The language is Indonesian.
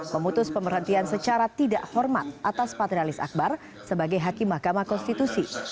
memutus pemberhentian secara tidak hormat atas patrialis akbar sebagai hakim mahkamah konstitusi